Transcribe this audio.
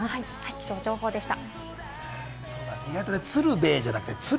気象情報でした。